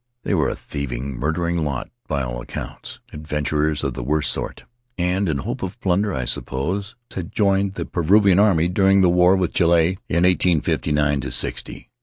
They were a thieving, murdering lot by all accounts — adventurers of the worst sort; and in hope of plunder, I suppose, had joined the Peruvian army during the war with Chile in eighteen fifty nine to sixty.